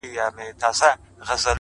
يوه نه-دوې نه-څو دعاوي وكړو-